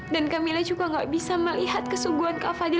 dan kamilah juga gak bisa melihat kesungguhan kak fadli